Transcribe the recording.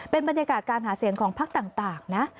เป็นบรรยากาศการหาเสียงของพักต่างนะ